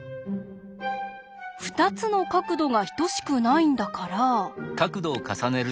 ２つの角度が等しくないんだから。